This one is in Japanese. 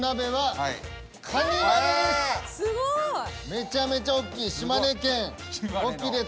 めちゃめちゃおっきい。